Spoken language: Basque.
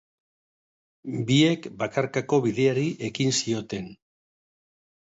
Biek bakarkako bideari ekin zioten.